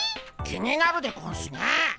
気になるでゴンスね。